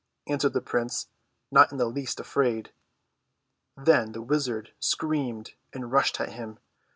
answered the prince, not in the least afraid. Then the wizard screamed, and rushed at him.